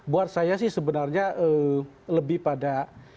buat saya sih sebenarnya lebih pada